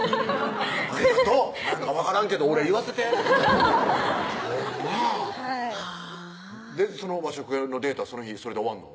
ありがとうなんか分からんけどお礼言わせてほんまはいその和食屋のデートはその日それで終わんの？